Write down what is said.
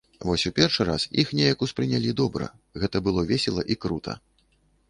Вось у першы раз іх неяк успрынялі добра, гэта было весела і крута!